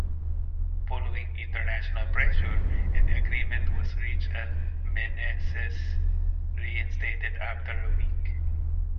Following international pressure, an agreement was reached and Menezes reinstated after a week.